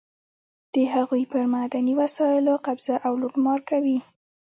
د هغوی پر معدني وسایلو قبضه او لوټمار کوي.